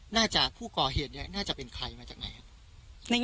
จากผู้ก่อเหตุเนี่ยน่าจะเป็นใครมาจากไหนครับ